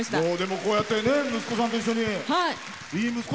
こうやって息子さんと一緒に。